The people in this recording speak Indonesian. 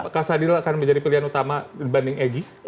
apakah sadir akan menjadi pilihan utama dibanding egy